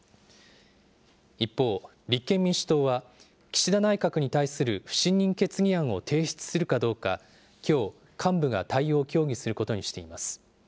一方、立憲民主党は岸田内閣に対する不信任決議案を提出するかどうか、きょう、幹部が対応を協議することにしています。